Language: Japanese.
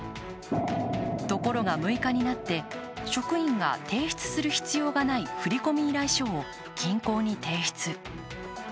ところが６日になって職員が提出する必要がない振込依頼書を銀行に提出。